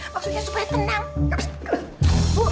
maksudnya supaya tenang